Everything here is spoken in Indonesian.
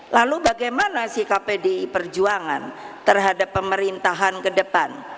lalu bagaimana sikap pdi perjuangan terhadap pemerintahan ke depan